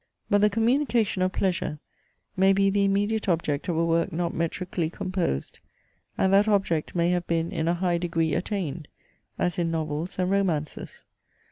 But the communication of pleasure may be the immediate object of a work not metrically composed; and that object may have been in a high degree attained, as in novels and romances.